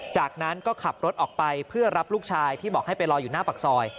จากนั้นก็ขับรถออกไปเพื่อรับลูกชายที่บอกให้ไปรออยู่หน้าปากซอย